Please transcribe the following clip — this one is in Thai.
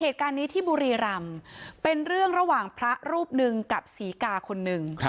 เหตุการณ์นี้ที่บุรีรำเป็นเรื่องระหว่างพระรูปหนึ่งกับศรีกาคนหนึ่ง